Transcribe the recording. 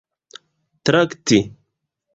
trakti